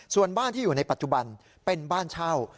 ส่วนบ้านที่อยู่ในปัจจุบันเป็นบ้านเช่า